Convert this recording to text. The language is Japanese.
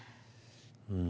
うん。